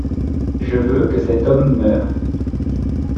Je veux que cet homme meure.